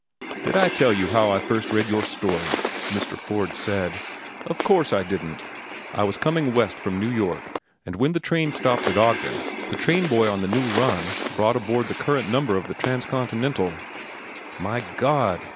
"Did I tell you how I first read your story?" Mr. Ford said. "Of course I didn't. I was coming west from New York, and when the train stopped at Ogden, the train boy on the new run brought aboard the current number of the Transcontinental." My God!